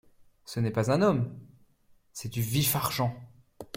Ce n’est pas un homme, c’est du vif-argent !…